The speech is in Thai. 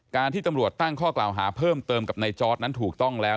ที่ตำรวจตั้งข้อกล่าวหาเพิ่มเติมกับนายจอร์ดนั้นถูกต้องแล้ว